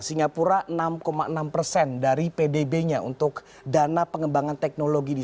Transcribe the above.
singapura enam enam persen dari pdb nya untuk dana pengembangan teknologi di